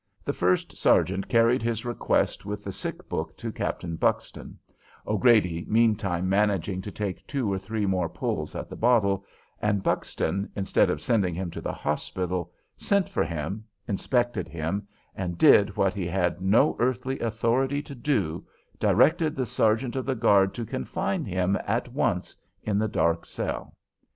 The first sergeant carried his request with the sick book to Captain Buxton, O'Grady meantime managing to take two or three more pulls at the bottle, and Buxton, instead of sending him to the hospital, sent for him, inspected him, and did what he had no earthly authority to do, directed the sergeant of the guard to confine him at once in the dark cell.